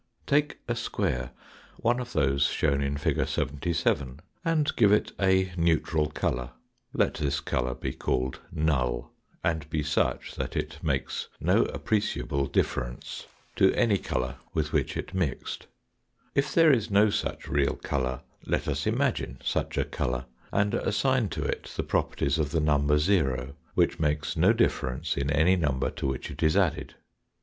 Take a square, one of those shown in Fig. 77 and give it a neutral colour, let this colour be called "null," and be such that it makes no appreciable difference c 130 NOMENCLATURE AND ANALOGIES to any colour with which it mixed. If there is no such real colour let us imagine such a colour, and assign to it the properties of the number zero, which makes no difference in any number to which it is added.